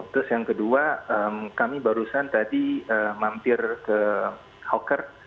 terus yang kedua kami barusan tadi mampir ke hawker